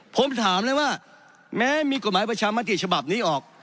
ผมถามเลยว่าแม้มีกฎหมายประชามติฉบับนี้ออก